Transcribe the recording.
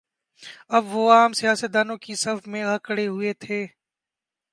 اب وہ عام سیاست دانوں کی صف میں آ کھڑے ہوئے تھے۔